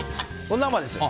生です。